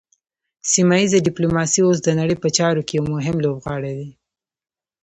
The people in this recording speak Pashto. سیمه ایز ډیپلوماسي اوس د نړۍ په چارو کې یو مهم لوبغاړی دی